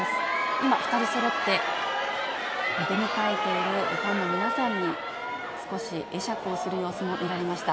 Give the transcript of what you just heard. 今、２人そろって、出迎えているファンの皆さんに、少し会釈をする様子も見られました。